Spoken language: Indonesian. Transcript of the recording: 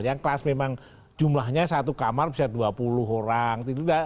yang kelas memang jumlahnya satu kamar bisa dua puluh orang